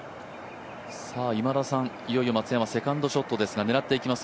今田さん、いよいよ松山セカンドショットですが狙っていきます。